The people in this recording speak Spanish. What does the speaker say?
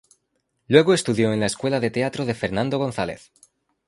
Luego estudió en la Escuela de Teatro de Fernando González.